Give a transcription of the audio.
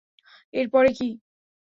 এর পরে কি?